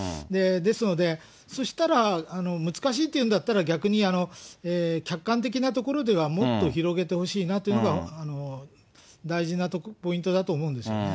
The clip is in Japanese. ですので、そしたら難しいというんだったら、逆に、客観的なところではもっと広げてほしいなというのが、大事なポイントだと思うんですよね。